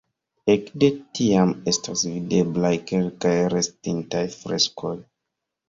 Ekde tiam estas videblaj kelkaj restintaj freskoj.